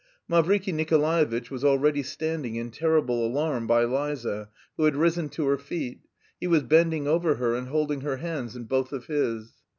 Mavriky Nikolaevitch was already standing in terrible alarm by Liza, who had risen to her feet; he was bending over her and holding her hands in both of his.